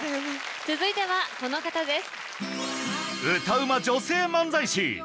続いてはこの方です。